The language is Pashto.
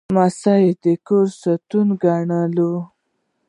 لمسی د کور د ستوني ګاڼه وي.